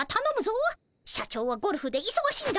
社長はゴルフでいそがしいんだからな。